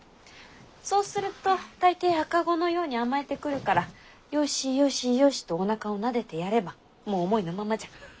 そうすると大抵赤子のように甘えてくるからよしよしよしとおなかをなでてやればもう思いのままじゃ。